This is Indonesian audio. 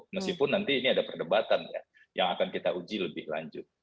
meskipun nanti ini ada perdebatan ya yang akan kita uji lebih lanjut